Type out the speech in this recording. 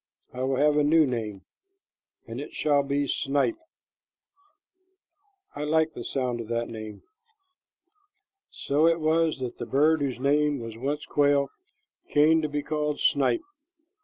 I will have a new name, and it shall be snipe. I like the sound of that name." So it was that the bird whose name was once quail came to be called snipe.